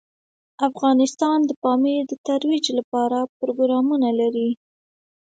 افغانستان د پامیر د ترویج لپاره پروګرامونه لري.